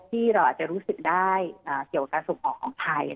ที่เราอาจจะรู้สึกได้เกี่ยวกับการส่งออกของไทย